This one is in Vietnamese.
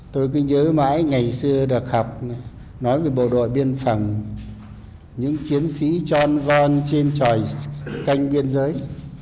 tôi cứ nhớ mãi ngày xưa được học nói về bộ đội biên phòng những chiến sĩ tròn von trên tròi canh biên giới